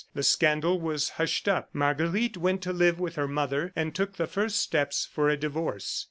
The scandal was hushed up. Marguerite went to live with her mother and took the first steps for a divorce.